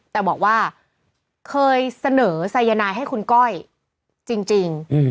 แต่บอกว่าเคยเสนอสายนายให้คุณก้อยจริง